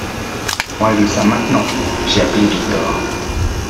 On règle ça maintenant, j’ai appelé Victor.